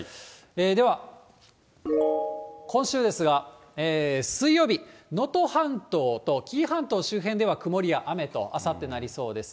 では、今週ですが、水曜日、能登半島と紀伊半島周辺では曇りや雨と、あさってなりそうです。